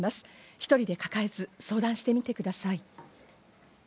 １人で抱えず相談してみてください。